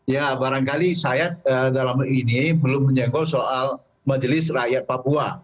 ya barangkali saya dalam ini belum menjangkau soal majelis rakyat papua